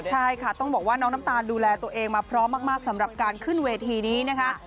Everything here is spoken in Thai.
ใช่ค่ะต้องบอกว่าน้องน้ำตาลดูแลตัวเองมาพร้อมมากสำหรับการขึ้นเวทีนี้นะคะ